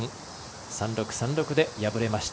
３−６、３−６で敗れました。